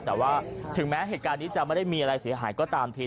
แต่ว่าถึงแม้เหตุการณ์นี้จะไม่ได้มีอะไรเสียหายก็ตามที